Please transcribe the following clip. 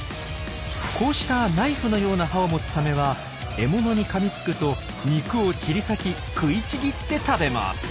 こうしたナイフのような歯を持つサメは獲物にかみつくと肉を切り裂き食いちぎって食べます。